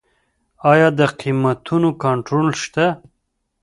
آیا د قیمتونو کنټرول شته؟